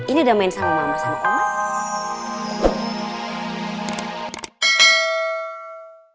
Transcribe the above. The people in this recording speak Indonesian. ini udah main sama mama sama allah